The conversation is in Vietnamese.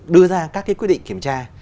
đưa ra các cái quyết định kiểm tra